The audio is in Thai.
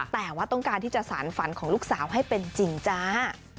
แต่ว่าต้องการที่จะสารฝันของลูกสาวให้เป็นจริงจ้า